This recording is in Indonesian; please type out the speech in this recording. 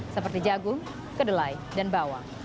seperti jagung kedelai dan bawang